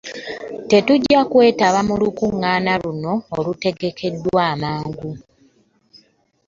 Tetujja kwetaba mu lukuŋŋaana luno olutegekeddwa mu bwangu